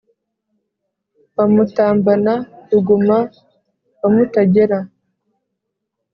wa mutambana ruguma wa mutagera